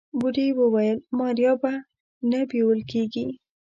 بوډۍ وويل ماريا به نه بيول کيږي.